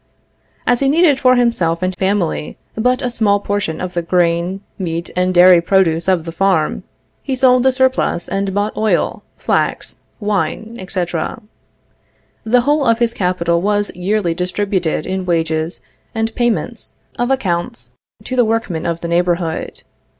As he needed for himself and family but a small portion of the grain, meat, and dairy produce of the farm, he sold the surplus and bought oil, flax, wine, etc. The whole of his capital was yearly distributed in wages and payments of accounts to the workmen of the neighborhood.